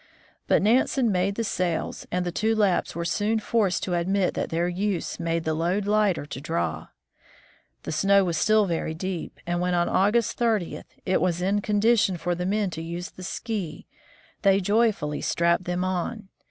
But Nansen made the sails, and the two Lapps were soon forced to admit that their use made the load lighter to draw. The snow was still very deep, and when, on August 30, it was in condition for the men to use the ski, they joyfully strapped them on.